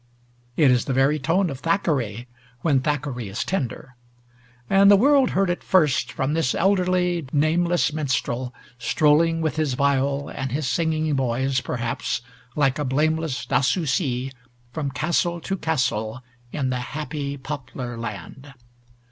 It is the very tone of Thackeray, when Thackeray is tender, and the world heard it first from this elderly, nameless minstrel, strolling with his viol and his singing boys, perhaps, like a blameless d'Assoucy, from castle to castle in "the happy poplar land."